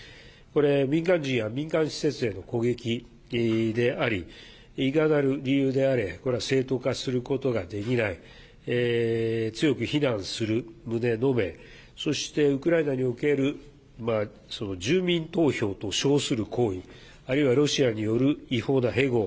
これは民間人や民間施設への攻撃でありいかなる理由であれこれは正当化することができない強く非難する旨を述べそして、ウクライナにおける住民投票と称する行為あるいはロシアによる違法な併合